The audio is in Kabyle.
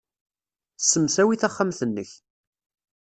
Ssemsawi taxxamt-nnek.